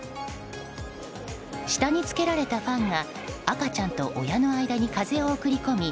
下につけられたファンが赤ちゃんと親の間に風を送り込み